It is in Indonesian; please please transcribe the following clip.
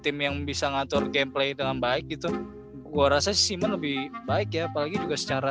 tim yang bisa ngatur gameplay dengan baik gitu gua rasa simen lebih baik ya apalagi juga secara